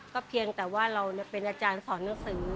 เพียงแต่ว่าเราเป็นอาจารย์สอนหนังสือ